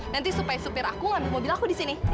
nanti supaya supir aku labung mobil aku di sini